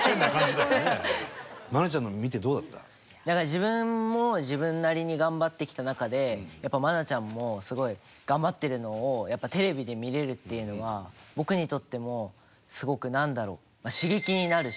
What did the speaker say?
自分も自分なりに頑張ってきた中でやっぱ愛菜ちゃんもすごい頑張ってるのをやっぱテレビで見れるっていうのは僕にとってもすごくなんだろう刺激になるし。